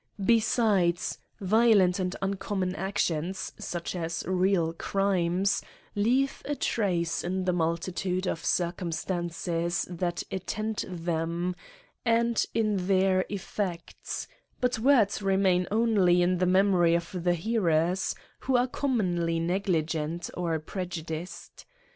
Besides, violent and uncommon actions, such as real crimes, leave a trace in the multitude of circumstances that attend them, and in their effects ; but words remain only in the memory of the hearers, who are commonly negligent or prejudiced.